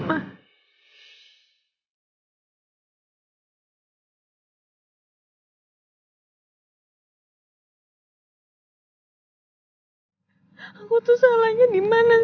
aku salah aku dimana